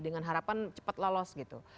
dengan harapan cepat lolos gitu